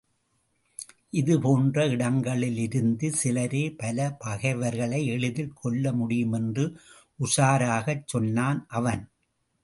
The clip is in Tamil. இது போன்ற இடங்களிலிருந்து சிலரே பல பகைவர்களை எளிதில் கொல்ல முடியும் என்று உஷாராகச் சொன்னான் அவன்.